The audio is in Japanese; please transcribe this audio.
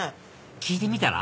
聞いてみたら？